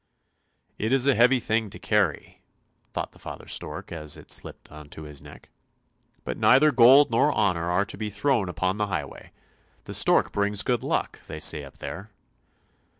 "It is a heavy thing to carry! " thought father stork, as it slipped on to his neck; " but neither gold nor honour are to be thrown upon the highway! The stork brings good luck, they say up there!